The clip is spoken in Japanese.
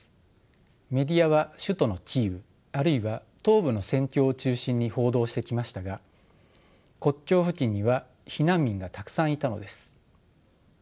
メディアは首都のキーウあるいは東部の戦況を中心に報道してきましたが国境付近には避難民がたくさんいたのです。